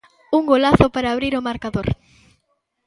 Un golazo para abrir o marcador.